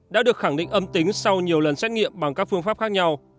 đã được khẳng định âm tính sau nhiều lần xét nghiệm bằng các phương pháp khác nhau